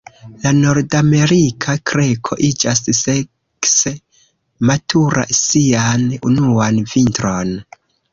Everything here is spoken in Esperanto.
La Nordamerika kreko iĝas sekse matura sian unuan vintron.